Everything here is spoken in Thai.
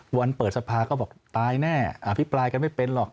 เปิดสภาก็บอกตายแน่อภิปรายกันไม่เป็นหรอก